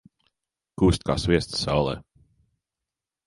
Kūst kā sviests saulē.